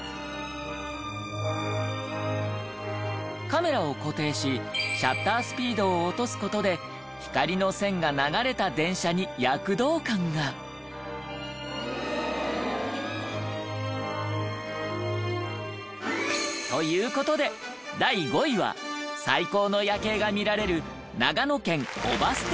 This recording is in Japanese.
カメラを固定しシャッタースピードを落とす事で光の線が流れた電車に躍動感が。という事で第５位は最高の夜景が見られる長野県姨捨駅でした。